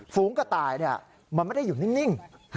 ฝูงกระต่ายมันไม่ได้อยู่นิ่ง